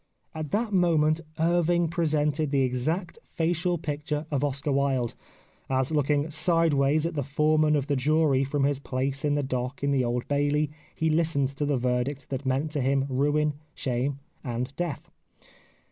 At that moment Irving presented the exact facial picture of Oscar Wilde, as looking sideways at the foreman of the jury from his place in the dock in the Old Bailey he listened to the verdict that meant to him ruin, shame, and death.